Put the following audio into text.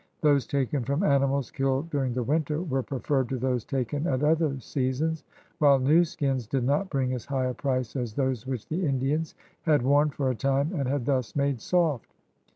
Those taken from animals kiUed during the winter were preferred to those taken at other seasons, while new skins did not bring as high a price as those which the Indian had worn for a time and had thus made soft.